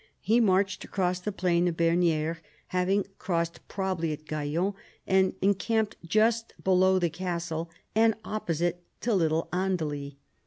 He marched across the plain of Bernieres, having crossed probably at Gaillon, and encamped just below the castle, and opposite to Little Andely.